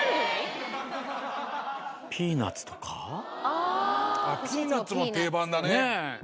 あっピーナッツも定番だね。